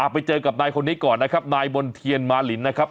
ไปเจอกับนายคนนี้ก่อนนะครับนายมณ์เทียนมาลินนะครับ